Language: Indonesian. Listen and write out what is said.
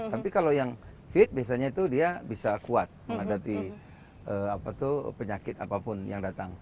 tapi kalau yang fit biasanya itu dia bisa kuat menghadapi penyakit apapun yang datang